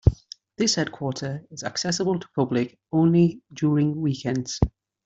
This headquarter is accessible to public only during weekends.